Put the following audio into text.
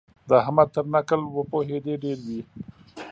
د احمد تر نکل وپوهېدې ډېر وي.